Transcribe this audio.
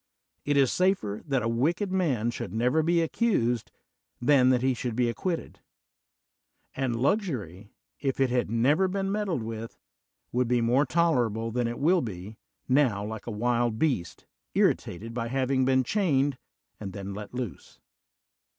It is safer that a wicked mar should never be accused than that he should be acquitted; and luxury, if it had never beer meddled with, would be more tolerable than 11 will be, now, like a wild beast, irritated by hav ing been chained and then let loose.